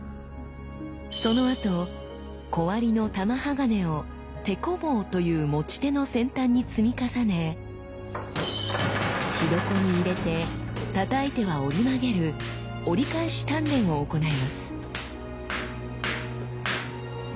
そのあと小割りの玉鋼を「テコ棒」という持ち手の先端に積み重ね火床に入れてたたいては折り曲げる折り返し鍛錬を行います。